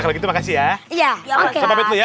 ndak begitu makasih ya iya itu ya